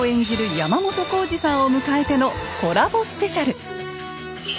山本耕史さんを迎えてのコラボスペシャル！